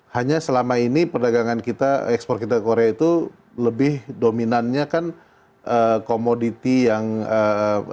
hanya selama ini perdagangan kita ekspor kita ke korea itu lebih dominannya kan komoditi yang ee